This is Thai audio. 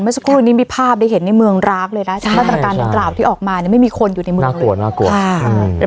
เมื่อสักครู่ที่มีภาพได้เห็นในเมืองรากเลยนะวัตถารการต่างกล่าวที่ออกมาไม่มีคนอยู่ในเมืองเลย